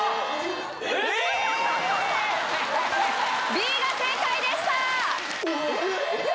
Ｂが正解でしたえっ？